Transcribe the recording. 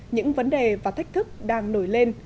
những vấn đề và thách thức đang nổi lên